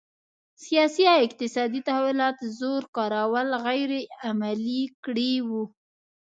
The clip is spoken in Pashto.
سیاسي او اقتصادي تحولات زور کارول غیر عملي کړي وو.